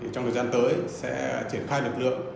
trong thời gian tới sẽ triển khai lực lượng